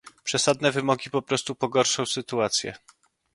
Przesadne wymogi po prostu pogorszą sytuację